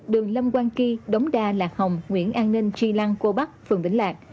đường lâm quang ky đống đa lạc hồng nguyễn an ninh chi lăng cô bắc phường vĩnh lạc